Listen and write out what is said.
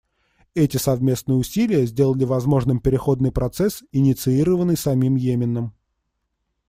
Эти совместные усилия сделали возможным переходный процесс, инициированный самим Йеменом.